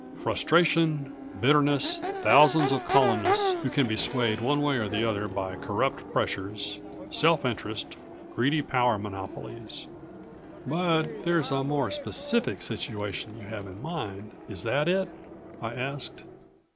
Frustration, bitterness, thousands of colonists who can be swayed one way or the other by corrupt pressures, self interest, greedy power monopolies." "But there's a more specific situation you have in mind, is that it?" I asked.